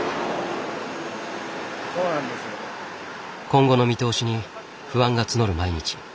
今後の見通しに不安が募る毎日。